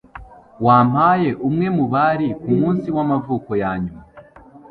Wampaye umwe mubari kumunsi wamavuko yanyuma